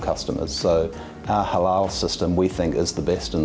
jadi sistem halal kita pikirnya terbaik di dunia